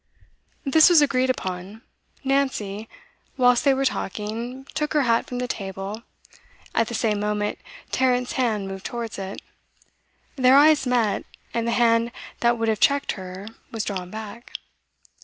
This was agreed upon. Nancy, whilst they were talking, took her hat from the table; at the same moment, Tarrant's hand moved towards it. Their eyes met, and the hand that would have checked her was drawn back.